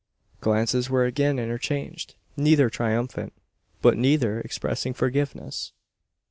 Glances were again interchanged neither triumphant, but neither expressing forgiveness.